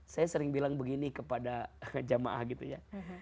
saya sering bilang begini kepada jamaah gitu ya